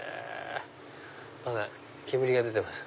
まだ煙が出てます。